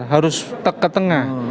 harus ke tengah